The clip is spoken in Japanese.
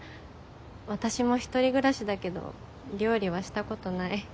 私も１人暮らしだけど料理はしたことない。